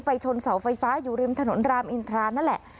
ชนเสาไฟฟ้าอยู่ริมถนนรามอินทรานั่นแหละ